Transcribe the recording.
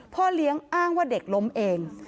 พ่อเลี้ยงอ้างว่าเด็กล้มเอง